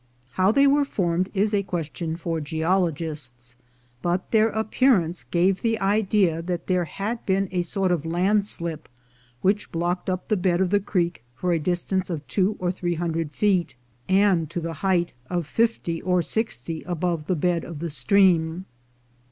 How they were formed is a question for geologists; but their appearance gave the idea that there had been a sort of landslip, which blocked up the bed of the creek for a distance of two or three hundred feet, and to the height of fifty or sixty above the bed of the stream.